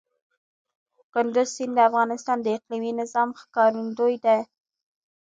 کندز سیند د افغانستان د اقلیمي نظام ښکارندوی ده.